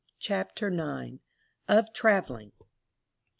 CHAPTER IX. _Of Travelling.